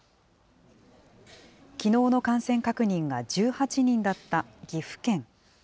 きのうの感染確認が１８人だった岐阜県。